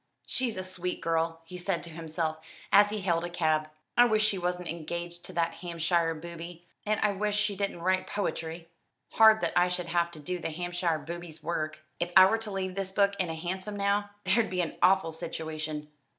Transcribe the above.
"She's a sweet girl," he said to himself, as he hailed a cab. "I wish she wasn't engaged to that Hampshire booby, and I wish she didn't write poetry. Hard that I should have to do the Hampshire booby's work! If I were to leave this book in a hansom now there'd be an awful situation!"